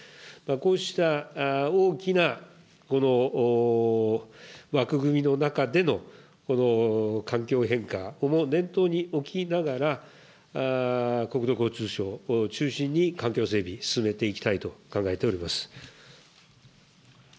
こうした大きなこの枠組みの中でのこの環境変化も念頭に置きながら、国土交通省中心に環境整備、進めていきたいと考えております。